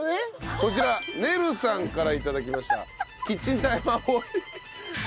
こちらねるさんから頂きました。